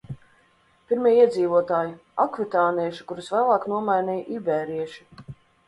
Pirmie iedzīvotāji – akvitānieši, kurus vēlāk nomainīja ibērieši.